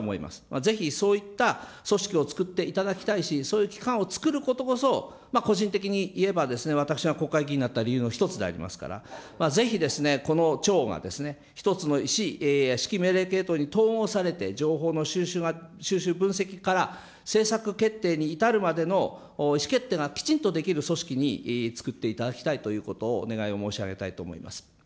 ぜひ、そういった組織をつくっていただきたいし、そういう機関を作ることこそ、個人的にいえばですね、私が国会議員になった理由の一つでありますから、ぜひこの庁が、１つの指揮命令系統に統合されて、情報の収集分析から政策決定に至るまでの意思決定がきちんとできる組織につくっていただきたいということをお願いを申し上げたいと思います。